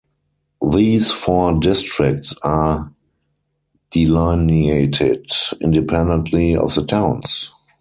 These four districts are delineated independently of the towns.